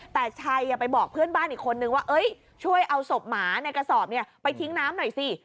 แต่ชัยไปบอกเพื่อนบ้านอีกคนนึงว่าช่วยเอาศพหมาในกระสอบไปทิ้งน้ำหน่อยสิ